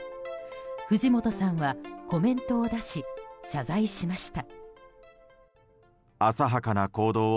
藤本さんはコメントを出し謝罪しました。